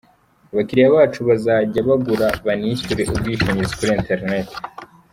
Abakiriya bacu bazajajya bagura banishyure ubwishingizi kuri interineti.